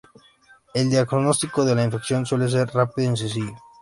El diagnóstico de la infección suele ser rápido y sencillo.